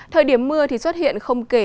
thời điểm mưa xuất hiện không kể